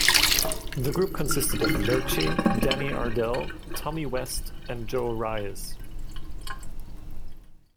The group consisted of Lerchey, Danny Ardell, Tommy West, and Joe Rios.